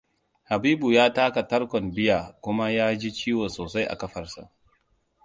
Habibu ya taka tarkon bear kuma ya ji ciwo sosai a kafarsa.